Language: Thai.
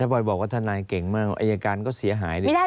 หมายถึงว่าถานายเก่งมากอัยการก็เสียหายเลย